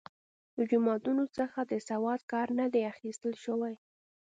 له جوماتونو څخه د سواد کار نه دی اخیستل شوی.